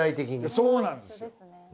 そうなんです。